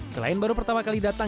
selain baru pertama kali datang